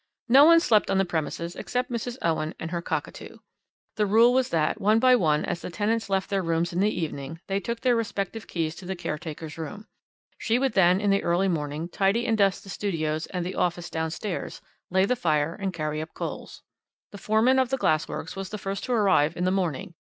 "No one slept on the premises except Mrs. Owen and her cockatoo. The rule was that one by one as the tenants left their rooms in the evening they took their respective keys to the caretaker's room. She would then, in the early morning, tidy and dust the studios and the office downstairs, lay the fire and carry up coals. "The foreman of the glass works was the first to arrive in the morning.